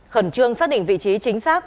khẩn trương xác định vị trí chính xác